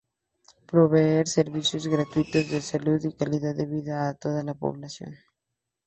Proveer servicios gratuitos de salud y calidad de vida a toda la población.